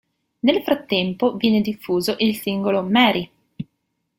Nel frattempo viene diffuso il singolo "Mary".